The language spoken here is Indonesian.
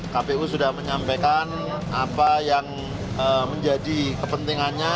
kpu sudah menyampaikan apa yang menjadi kepentingannya